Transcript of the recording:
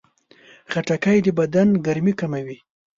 خټکی د بدن ګرمي کموي.